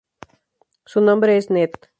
Su nombre es Ned.